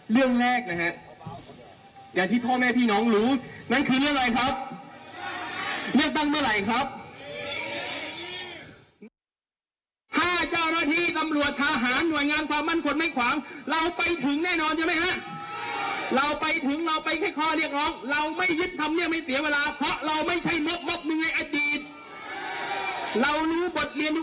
เรียกตั้งเมื่อไหร่ครับ